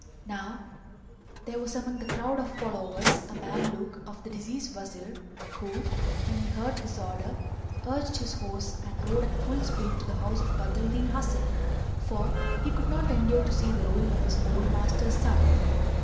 Now there was among the crowd of followers a Mameluke of the deceased Wazir who, when he heard this order, urged his horse and rode at full speed to the house of Badr al Din Hasan; for he cold not endure to see the ruin of his old master's son.